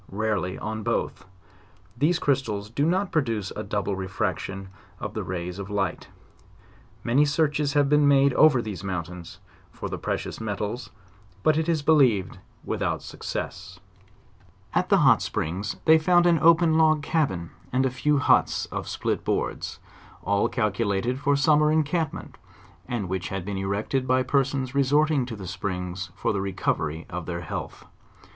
rarely on both. These crystals do not produce a double refraction of the rays of light. Many searches have been made over these mountains for the precious metals, but it is believed without success* LEWIS AND CLAKE. 201 At the hot springs they found an open log cabin, and a few huts of split boards, all calculated for summer encamp ment, and which had been erected by persons resorting; to the springs for the recovery of their health.